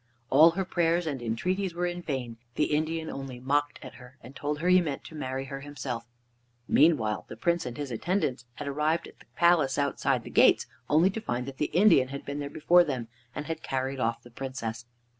All her prayers and entreaties were in vain. The Indian only mocked at her, and told her he meant to marry her himself. Meanwhile the Prince and his attendants had arrived at the palace outside the gates, only to find that the Indian had been there before them and had carried off the Princess.